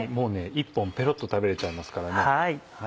１本ペロっと食べれちゃいますからね。